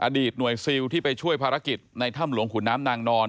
อดีตหน่วยซิลที่ไปช่วยภารกิจในถ้ำหลวงขุนน้ำนางนอน